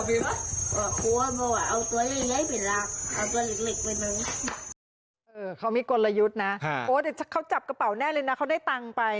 พี่เขาไม่กวนละยุทธกับของน้องเรียนได้อาจมีเลยน่ะ